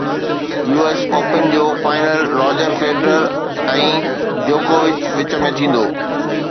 U S open جو final Roger Federer ۽ جوڪووچ وچ ۾ ٿيندو